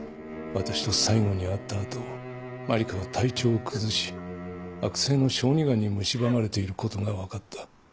私と最後に会った後麻里香は体調を崩し悪性の小児がんに蝕まれていることが分かった。